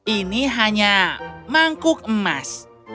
ini hanya mangkuk emas